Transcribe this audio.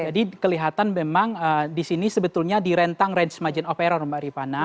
jadi kelihatan memang disini sebetulnya di rentang range margin of error mbak repana